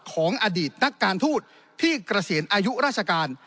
ของอดีตนักการทูตที่เกษียณอายุราชการ